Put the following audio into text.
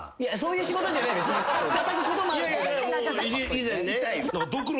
以前ね。